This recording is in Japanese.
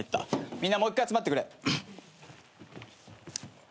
みんなもう１回集まってくれ。